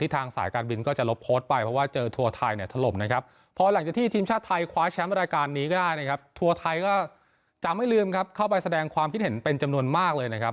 ทัวร์ไทยก็จะไม่ลืมเข้าไปแสดงความคิดเห็นเป็นจำนวนมากเลยนะครับ